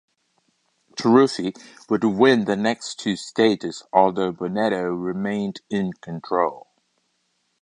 Taruffi would win the next two stages, although Bonetto remained in control.